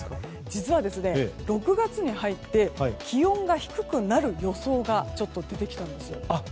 実は、６月に入って気温が低くなる予想がちょっと出てきたんです。